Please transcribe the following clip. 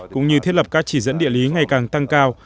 cũng như thiết lập các chỉ dẫn địa lý ngày càng tăng cao